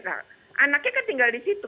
nah anaknya kan tinggal di situ